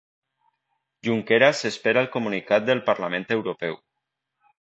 Junqueras espera el comunicat del Parlament Europeu